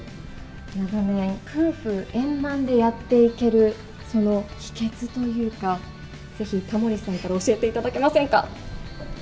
長年、夫婦円満でやっていける、その秘けつというか、ぜひタモリさんから教えていただけませんか。